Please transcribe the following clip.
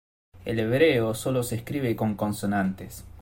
El hebreo sólo se escribe con consonantes.